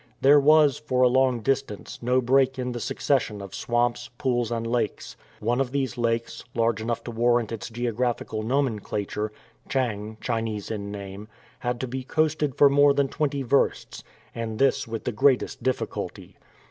There was, for a long distance, no break in the succession of swamps, pools, and lakes. One of these lakes large enough to warrant its geographical nomenclature Tchang, Chinese in name, had to be coasted for more than twenty versts, and this with the greatest difficulty.